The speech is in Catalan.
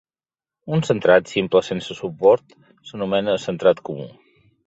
Un centrat simple sense suport s'anomena centrat comú.